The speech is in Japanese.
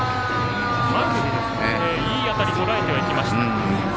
いい当たりとらえてはいきました。